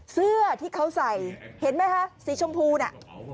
เสื้อที่เขาใส่เห็นไหมคะสีชมพูน่ะ